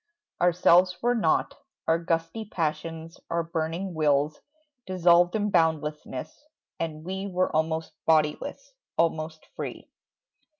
Ourselves were nought, Our gusty passions, our burning wills Dissolved in boundlessness, and we Were almost bodiless, almost free.